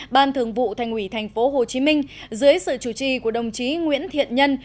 ban thường vụ thành ủy tp hcm dưới sự chủ trì của đồng chí nguyễn thiện nhân